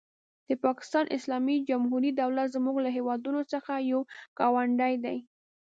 د پاکستان اسلامي جمهوري دولت زموږ له هېوادونو څخه یو ګاونډی دی.